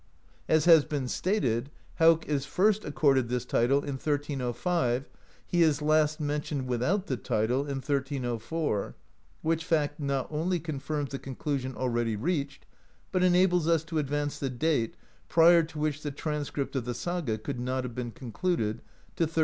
As has been stated, Hauk is first accorded this title in 1305, he is last mentioned without the title in 1304; which fact not only confirms the conclusion already reached, but enables us to advance the date, prior to which the transcript of the saga could not have been concluded, to 1304.